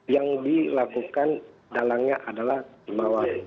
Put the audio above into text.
yang dilakukan dalangnya adalah tim mawar